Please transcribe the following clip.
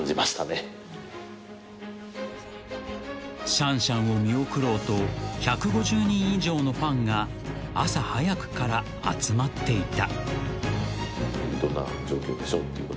［シャンシャンを見送ろうと１５０人以上のファンが朝早くから集まっていた］